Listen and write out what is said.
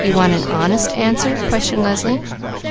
"You want an honest answer?" questioned Leslie.